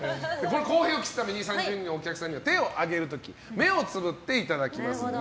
公平を期すために３０人のお客様には手を挙げる時目をつぶっていただきます。